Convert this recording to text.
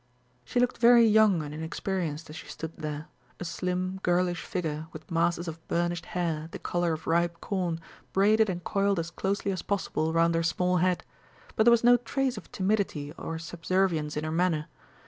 She looked very young and inexperienced as she stood there, a slim girlish figure with masses of burnished hair the colour of ripe corn, braided and coiled as closely as possible round her small head, but there was no trace of timidity or subservience in her manner.